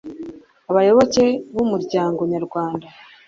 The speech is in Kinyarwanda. abayoboke bumuryango nyarwanda